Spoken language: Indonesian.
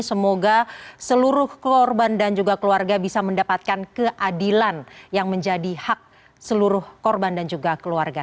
semoga seluruh korban dan juga keluarga bisa mendapatkan keadilan yang menjadi hak seluruh korban dan juga keluarga